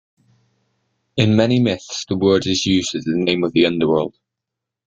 In many myths, the word is used as the name of the Underworld.